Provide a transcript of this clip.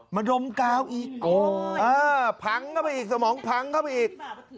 ดมกาวอีกพังเข้าไปอีกสมองพังเข้าไปอีก